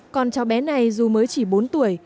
còn cháu bé này dù mới chỉ bốn tuổi